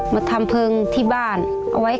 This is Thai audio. มาทำเพลิงที่บ้านเอาไว้ของคุณอีก